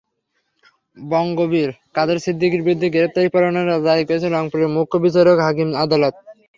বঙ্গবীর কাদের সিদ্দিকীর বিরুদ্ধে গ্রেপ্তারি পরোয়ানা জারি করেছেন রংপুরের মুখ্য বিচারিক হাকিম আদালত।